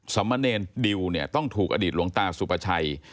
สมเนรดิวเนี่ยต้องถูกอดีตหลวงตาสุปชัย